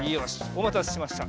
おまたせしました。